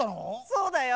そうだよ！